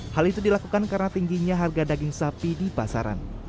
hal itu dilakukan karena tingginya harga daging sapi di pasaran